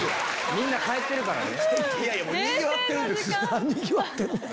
みんな帰ってるからね。